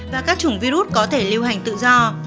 và các chủng virus có thể lưu hành tự do